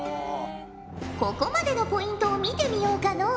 ここまでのポイントを見てみようかのう。